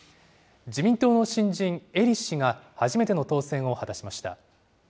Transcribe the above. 自民党の新人、英利氏が初めての当選を果たしました。